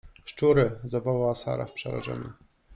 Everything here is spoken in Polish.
— Szczury! — zawołała Sara w przerażeniu.